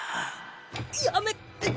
やめて！